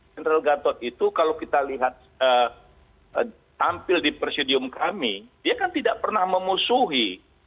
general gatot itu kalau kita lihat tampil di presidium kami dia kan tidak pernah memusuhi